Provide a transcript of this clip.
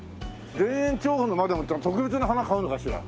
田園調布のマダムっていうのは特別な花買うのかしら？